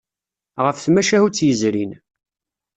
Ɣef tmacahut yezrin.